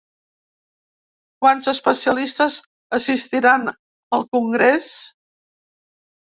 Quants especialistes assistiran al congrés?